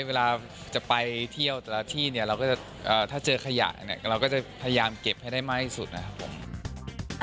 เวลาจะไปเที่ยวแต่ละที่ถ้าเจอขยะเราก็จะพยายามเก็บให้ได้มากที่สุดนะครับผม